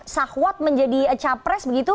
sahwat menjadi capres